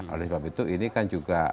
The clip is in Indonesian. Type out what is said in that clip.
oleh sebab itu ini kan juga